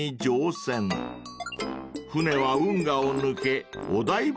［船は運河を抜けお台場方面へ］